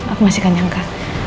aku masih kan nyangka